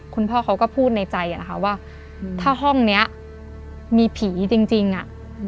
คุณพ่อเขาก็พูดในใจนะคะว่าถ้าห้องนี้มีผีจริงอ่ะ